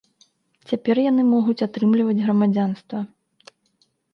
Цяпер яны могуць атрымліваць грамадзянства.